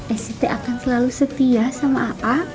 eh sih a'a akan selalu setia sama a'a